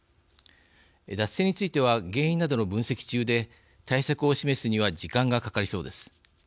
脱線については原因などの分析中で対策を示すには時間がかかりそうです。